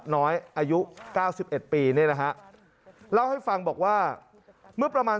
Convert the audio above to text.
น้อยอายุเก้าสิบเอ็ดปีนี่นะฮะเล่าให้ฟังบอกว่าเมื่อประมาณ